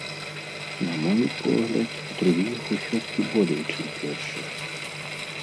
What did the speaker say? На мой погляд, другіх усё-ткі болей, чым першых.